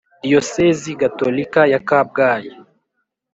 Diyosezi gatolika ya kabgayi